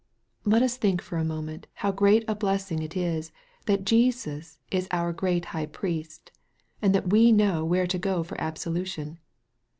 Let us think for a moment how great a blessing it is, that Jesus is our great Higt. Priest, and that we know where to go for absolution